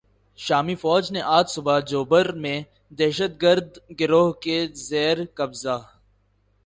شامی فوج نے آج صبح "جوبر" میں دہشتگرد گروہ کے زیر قبضہ